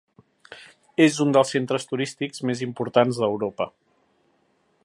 És un dels centres turístics més importants d'Europa.